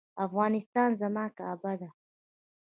افغانستان زما کعبه ده